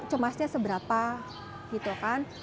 cemasnya seberapa gitu kan